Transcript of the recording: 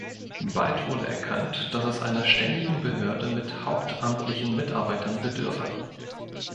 Bald wurde erkannt, dass es einer ständigen Behörde mit hauptamtlichen Mitarbeitern bedürfe.